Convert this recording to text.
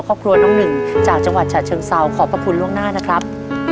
ครอบครัวน้องหนึ่งจากจังหวัดฉะเชิงเซาขอบพระคุณล่วงหน้านะครับ